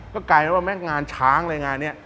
ก็กลายเป็นว่างานช้างอะไรงานนี้